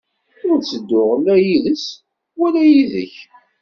Ur ttedduɣ la yid-s wala yid-k.